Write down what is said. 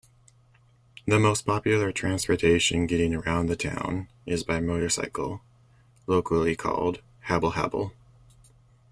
The most popular transportation getting around the town is by motorcycle, locally called "habal-habal".